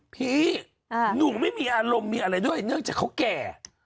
พี่หนูไม่มีอารมณ์มีอะไรด้วยเนื่องจากเขาแก่